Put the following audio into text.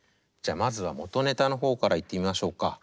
じゃまずは元ネタの方からいってみましょうか。